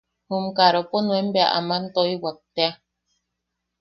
jum karopo nuen bea aman toiwak tea.